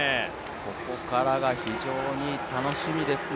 ここからが非常に楽しみですね。